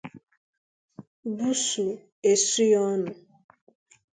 bùúsù esu ya ọnụ